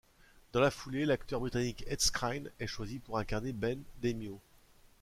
Dans la foulée, l'acteur britannique Ed Skrein est choisi pour incarner Ben Daimio.